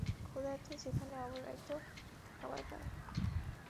ক্ষুধার্ত যেখানে অবারিত খাবার পায়।